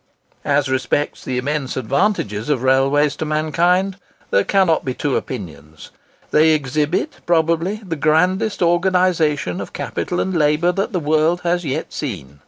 As respects the immense advantages of railways to mankind, there cannot be two opinions. They exhibit, probably, the grandest organisation of capital and labour that the world has yet seen.